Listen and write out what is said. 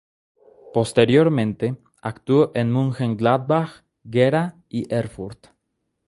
Posteriormente actuó en Mönchengladbach, Gera y Erfurt.